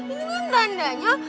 ini kan tandanya